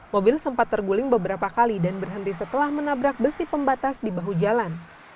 mobil sempat terguling beberapa kali dan berhenti setelah menabrak besi pembatas di bahu jalan